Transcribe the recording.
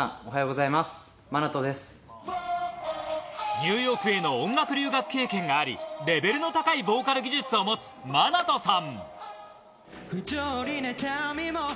ニューヨークへの音楽留学経験があり、レベルの高いボーカル技術を持つマナトさん。